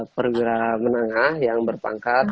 pergerak menengah yang berpangkat